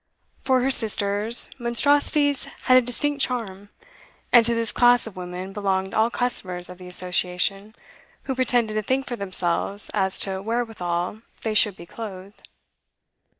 For her sisters, monstrosities had a distinct charm, and to this class of women belonged all customers of the Association who pretended to think for themselves as to wherewithal they should be clothed.